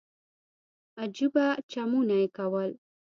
عجيبه چمونه يې کول.